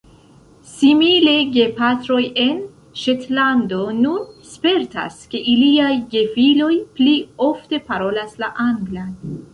Simile, gepatroj en Ŝetlando nun spertas, ke iliaj gefiloj pli ofte parolas la anglan.